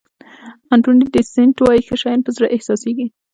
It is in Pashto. انتوني دي سېنټ وایي ښه شیان په زړه احساسېږي.